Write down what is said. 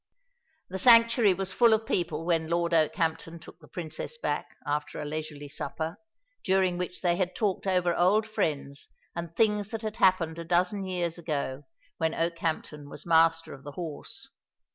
The sanctuary was full of people when Lord Okehampton took the Princess back, after a leisurely supper, during which they had talked over old friends and things that had happened a dozen years ago, when Okehampton was Master of the Horse.